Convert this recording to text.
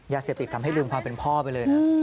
เสพติดทำให้ลืมความเป็นพ่อไปเลยนะ